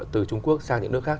từ trung quốc sang những nước khác